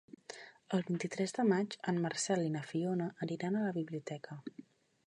El vint-i-tres de maig en Marcel i na Fiona aniran a la biblioteca.